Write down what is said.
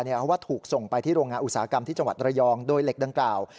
เพราะว่าถูกส่งไปที่โรงงานอุตสาหกรรมที่จังหวัดระยองโดยเหล็กดังกล่าว